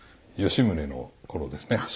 吉宗のころですね